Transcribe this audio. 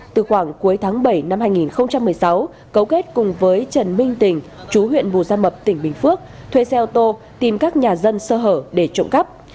từ khoảng cuối tháng bảy năm hai nghìn một mươi sáu cấu kết cùng với trần minh tình chú huyện bù gia mập tỉnh bình phước thuê xe ô tô tìm các nhà dân sơ hở để trộm cắp